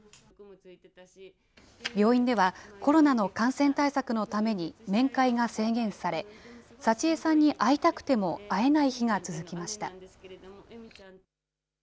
病院では、コロナの感染対策のために、面会が制限され、佐千江さんに会いたくても会えない日が続きました。